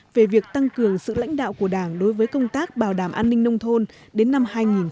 về việc tăng cường sự lãnh đạo của đảng đối với công tác bảo đảm an ninh nông thôn đến năm hai nghìn hai mươi